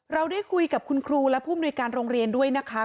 เราได้คุยกับคุณครูและผู้มนุยการโรงเรียนด้วยนะคะ